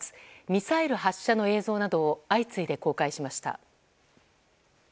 ミサイル発射の映像などを相次いで公開しました。